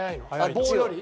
棒より？